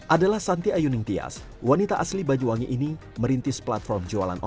adalah santi ayuning tias wanita asli banyuwangi ini merintis platform jualan online